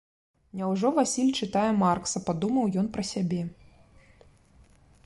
«Няўжо Васіль чытае Маркса?» — падумаў ён пра сябе.